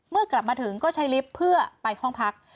เมื่อกลับมาถึงก็ใช้ลิฟต์เพื่อไปห้องพัก